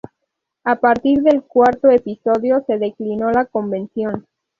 A partir del cuarto episodio se declinó la convención.